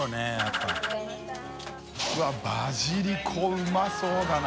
うわっバジリコうまそうだな。